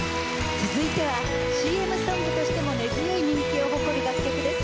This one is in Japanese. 続いてはＣＭソングとしても根強い人気を誇る楽曲です。